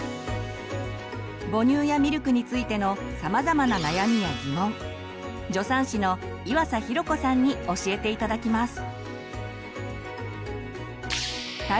母乳やミルクについてのさまざまな悩みやギモン助産師の岩佐寛子さんに教えて頂きます。